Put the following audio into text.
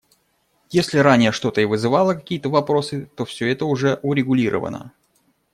Если ранее что-то и вызывало какие-то вопросы, то все это уже урегулировано.